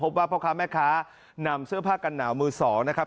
พ่อค้าแม่ค้านำเสื้อผ้ากันหนาวมือสองนะครับ